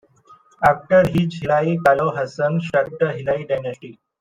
After his Hilai Kalo Hassan started the Hilai Dynasty.